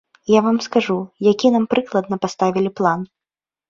Я вам скажу, які нам прыкладна паставілі план.